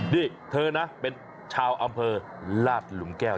นี่เธอนะเป็นชาวอำเภอลาดหลุมแก้ว